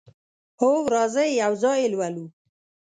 هو، راځئ یو ځای یی لولو